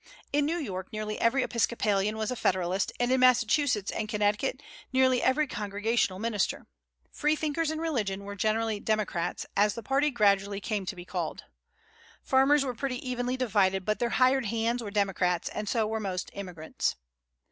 In New York nearly every Episcopalian was a Federalist, and in Massachusetts and Connecticut nearly every Congregational minister. Freethinkers in religion were generally Democrats, as the party gradually came to be called. Farmers were pretty evenly divided; but their "hired hands" were Democrats, and so were most immigrants.